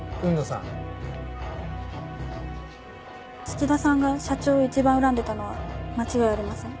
土田さんが社長を一番恨んでたのは間違いありません。